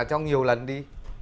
cho nhiều lần đi